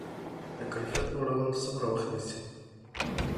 د کیفیت لوړول څومره وخت نیسي؟